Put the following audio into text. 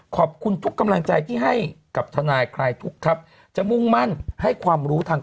ขอบคุณทุกกำลังใจที่ให้กับทนายคลายทุกทัพจะมุ่งมั่นให้ความรู้ทาง